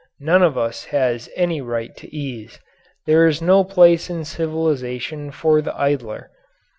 None of us has any right to ease. There is no place in civilization for the idler.